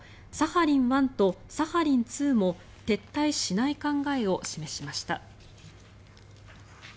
サハリン１とサハリン２も撤退しない考えを示しました。